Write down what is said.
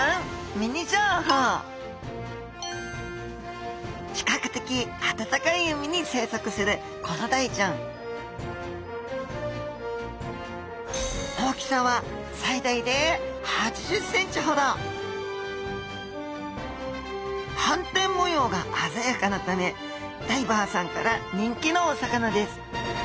ミニ情報比較的温かい海に生息するコロダイちゃん大きさは斑点模様が鮮やかなためダイバーさんから人気のお魚です